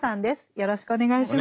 よろしくお願いします。